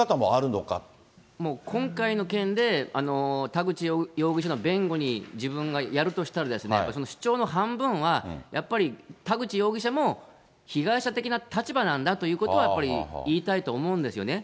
今回の件で、田口容疑者の弁護に、自分がやるとしたらですね、その主張の半分は、やっぱり田口容疑者も被害者的な立場なんだということは、やっぱり言いたいと思うんですよね。